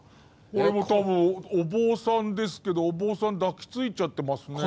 これも多分、お坊さんですけどお坊さん抱きついちゃってますね。